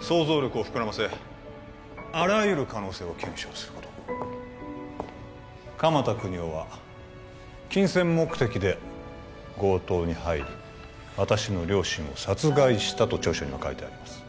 想像力を膨らませあらゆる可能性を検証すること鎌田國士は金銭目的で強盗に入り私の両親を殺害したと調書には書いてあります